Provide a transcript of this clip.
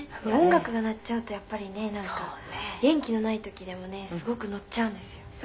「音楽が鳴っちゃうとやっぱりねなんか元気のない時でもねすごくのっちゃうんですよ」